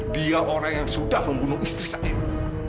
dia orang yang sudah membunuh istri saya